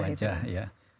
seribu wajah itu